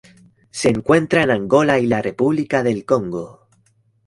Se encuentra en Angola y la República del Congo.